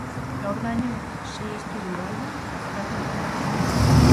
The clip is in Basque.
Gaurdaino, sei estudio-album plazaratu dituzte.